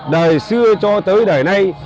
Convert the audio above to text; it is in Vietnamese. đời xưa cho tới đời nay